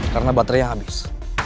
karena baterai yang habis